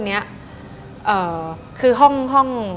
ดิงกระพวน